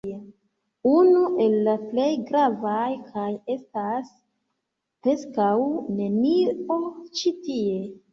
Unu el la plej gravaj kaj estas preskaŭ nenio ĉi tie